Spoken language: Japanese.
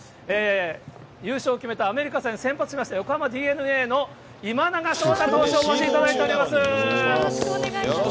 優勝を決めたアメリカ戦先発しました、横浜ＤｅＮＡの今永昇太投手、よろしくお願いいたします。